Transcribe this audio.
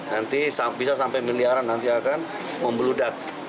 nanti bisa sampai miliaran nanti akan membeludak